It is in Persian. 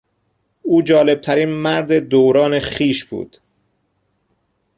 او جالبترین مرد دوران خویش بود.